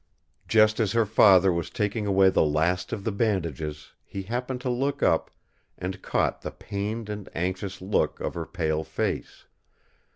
Just as her father was taking away the last of the bandages, he happened to look up and caught the pained and anxious look of her pale face.